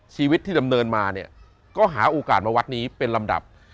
ชีวิตที่ดำเนินมาเนี่ยก็หาโอกาสมาวัดนี้เป็นลำดับ